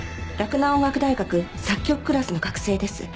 洛南音楽大学作曲クラスの学生です。